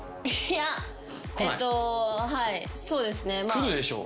来るでしょ？